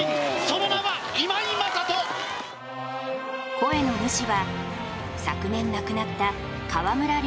声の主は昨年亡くなった河村亮